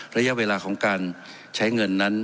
ระยะเวลาของการใช้เงินนั้น